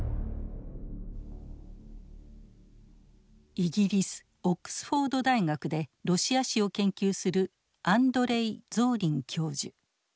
イギリスオックスフォード大学でロシア史を研究するアンドレイ・ゾーリン教授。